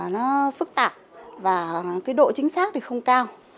nó phức tạp và độ chính xác không cao